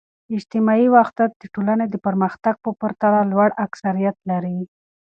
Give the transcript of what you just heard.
اجتماعي وحدت د ټولنې د پرمختګ په پرتله لوړ اکثریت لري.